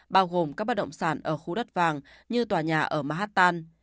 bao gồm các bất động sản ở khu đất vàng như tòa nhà ở manhattan